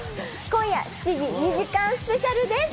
今夜７時、２時間スペシャルです。